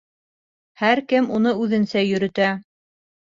Һәр кем уны үҙенсә йөрөтә.